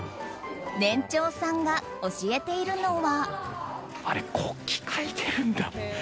年長さんが教えているのは。